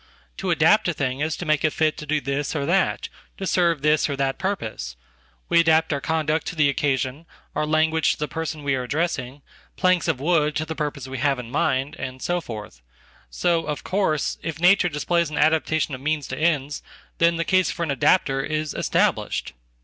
To adapt a thing is to make it fit to do this orthat, to serve this or that purpose. We adapt our conduct to theoccasion, our language to the person we are addressing, planks ofwood to the purpose we have in mind, and so forth. So, of course, if nature displays an adaptation of means to ends, then the casefor an adapter is established.